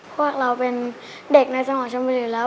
พวกเราเป็นเด็กในจังหวัดชนบุรีแล้ว